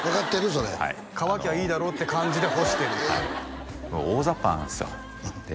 それはい乾きゃいいだろうって感じで干してる大ざっぱなんですよで